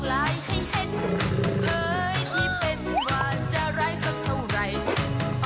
เฮ้ยที่เป็นว่าจะร้ายสดเท่าไหร่